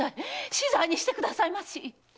死罪にしてくださいまし！